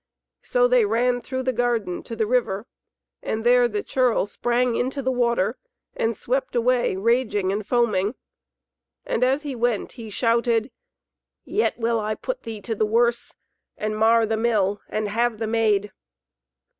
So they ran through the garden to the river, and there the churl sprang into the water, and swept away raging and foaming. And as he went he shouted, "Yet will I put thee to the worse, and mar the Mill, and have the Maid!"